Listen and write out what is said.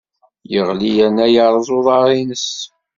Yeɣli yerna yerreẓ uḍar-nnes.